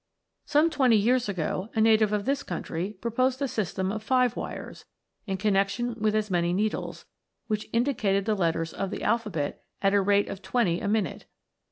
Some twenty years ago, a native of this country proposed a system of five wires, in connexion with as many needles, which indicated the letters of the alphabet at the rate of twenty a minute.